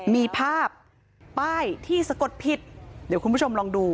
มีภาพป้ายที่สะกดผิดเดี๋ยวคุณผู้ชมลองดู